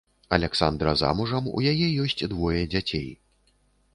Аляксандра замужам, у яе ёсць двое дзяцей.